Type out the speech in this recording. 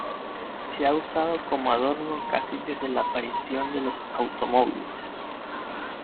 Se ha usado como adorno casi desde la aparición de los automóviles.